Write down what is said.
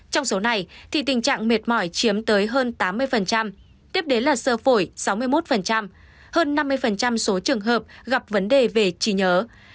trong số này thì tình trạng mệt mỏi chiếm tới hơn tám mươi tiếp đến là sơ phổi sáu mươi một hơn năm mươi số trường hợp gặp vấn đề về trí nhớ